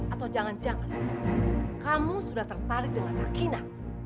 atau jangan jangan kamu sudah tertarik dengan sakina